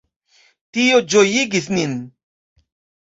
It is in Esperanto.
Tio ĝojigis nin.